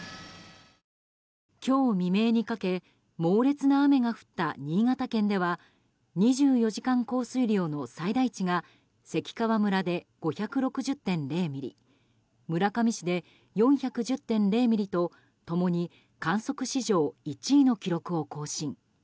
今日未明にかけ猛烈な雨が降った新潟県では２４時間降水量の最大値が関川村で５６０．０ミリ村上市で４１０．０ミリと共に観測史上１位の記録を更新。